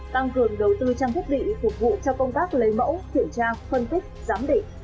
tăng cường đầu tư trang thiết bị phục vụ cho công tác lấy mẫu kiểm tra phân tích giám định